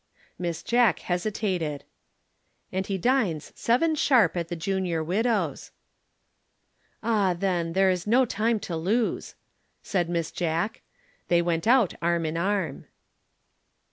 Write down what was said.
Miss Jack hesitated. "And he dines seven sharp at the Junior Widows'." "Ah then, there is no time to lose," said Miss Jack. They went out arm in arm.